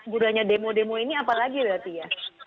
gurannya demo demo ini apa lagi berarti ya